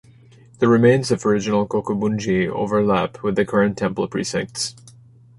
The remains of original "kokubunji" overlap with the current temple precincts.